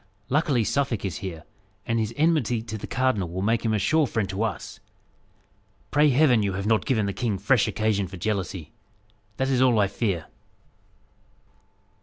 Luckily, Suffolk is here, and his enmity to the cardinal will make him a sure friend to us. Pray Heaven you have not given the king fresh occasion for jealousy! That is all I fear."